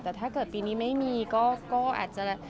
แต่ถ้าเกิดปีนี้ไม่มีก็อาจจะ